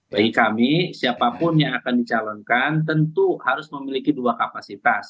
bagi kami siapapun yang akan dicalonkan tentu harus memiliki dua kapasitas